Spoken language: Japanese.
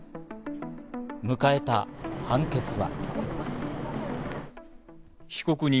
迎えた判決は。